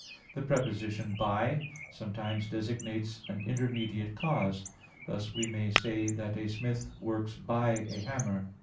The preposition "by" [per] sometimes designates an intermediate cause; thus we may say that a smith works "by" a hammer.